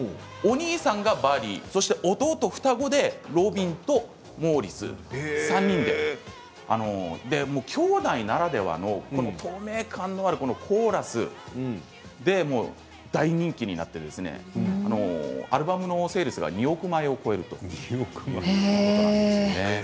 もう１人弟がいるんですけれどもお兄さんがバリーで双子のロビンとモーリス３人で兄弟ならではの透明感のあるコーラス大人気になってアルバムのセールスが２億枚を超えるということなんですね。